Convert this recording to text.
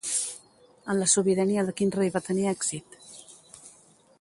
En la sobirania de quin rei va tenir èxit?